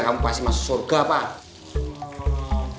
kamu pasti masuk surga pak